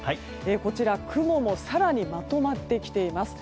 こちら、雲も更にまとまってきています。